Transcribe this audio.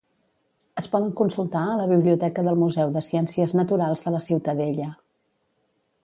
Es poden consultar a la Biblioteca del Museu de Ciències Naturals de la Ciutadella.